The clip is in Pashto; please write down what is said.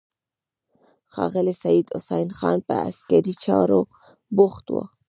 ښاغلی سید حسن خان په عسکري چارو بوخت و.